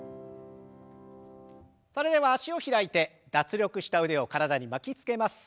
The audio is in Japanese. それでは脚を開いて脱力した腕を体に巻きつけます。